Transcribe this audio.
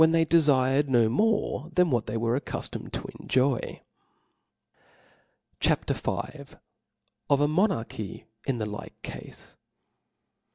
they dcfired no more than what they were accuf tomed to enjoy. CHAP, v.. Of a Monarchy in the like Cafe.